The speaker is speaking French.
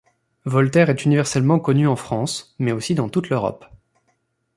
Voltaire est universellement connu en France mais aussi dans toute l’Europe.